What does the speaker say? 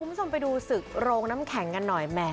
คุณผู้ชมไปดูศึกโรงน้ำแข็งกันหน่อยแหม